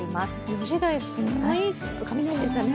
４時台、すごい雷でしたね。